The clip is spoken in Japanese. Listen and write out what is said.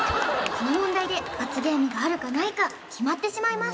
この問題で罰ゲームがあるかないか決まってしまいます